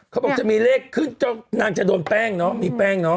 เขาบอกจะมีเลขขึ้นเจ้านางจะโดนแป้งเนอะมีแป้งเนาะ